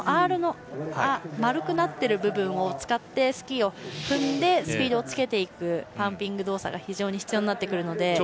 Ｒの丸くなっている部分を使ってスキーを踏んでスピードをつけていくパンピング動作が非常に必要になるので。